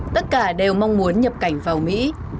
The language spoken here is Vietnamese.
tất cả đều mong muốn nhập cảnh vào mỹ